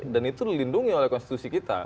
dan itu dilindungi oleh konstitusi kita